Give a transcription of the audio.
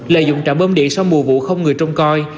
lợi dụng trạm bơm điện sau mùa vụ không người trông coi